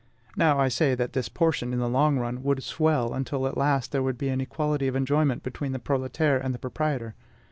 Now, I say, that this portion, in the long run, would swell until at last there would be an equality of enjoyment between the proletaire and the proprietor.